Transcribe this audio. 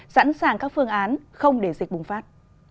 sẵn sàng các phương án không để dịch bùng phát